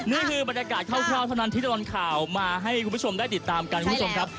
นี่คือบรรยากาศเท่าเท่านั้นที่จะร้อนข่าวมาให้คุณผู้ชมได้ติดตามครับ